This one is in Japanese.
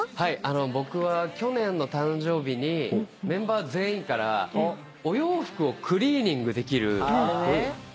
僕は去年の誕生日にメンバー全員からお洋服をクリーニングできる大型家電を頂きまして。